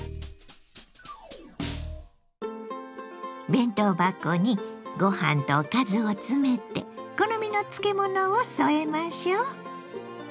弁当箱にご飯とおかずを詰めて好みの漬物を添えましょう。